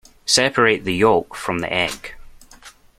Separate the yolk from the egg.